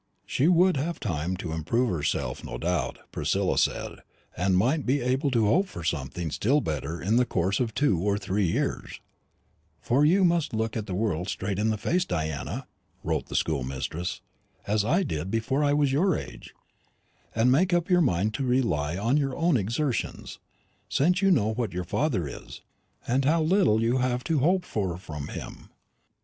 She would have time to improve herself, no doubt, Priscilla said, and might be able to hope for something still better in the course of two or three years; "for you must look the world straight in the face, Diana," wrote the schoolmistress, "as I did before I was your age; and make up your mind to rely upon your own exertions, since you know what your father is, and how little you have to hope for from him.